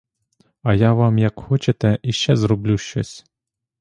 А я вам, як хочете, іще зроблю щось.